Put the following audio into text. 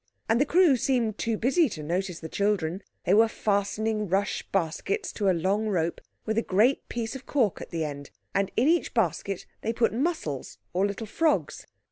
And the crew seemed too busy to notice the children. They were fastening rush baskets to a long rope with a great piece of cork at the end, and in each basket they put mussels or little frogs.